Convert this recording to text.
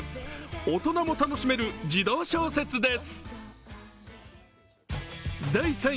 大人も楽しめる児童小説です。